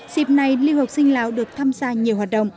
dịp này lưu học sinh lào được tham gia nhiều hoạt động